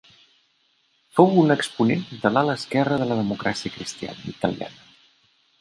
Fou un exponent de l'ala esquerra de la Democràcia Cristiana Italiana.